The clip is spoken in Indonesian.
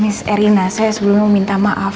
miss erina saya sebelumnya mau minta maaf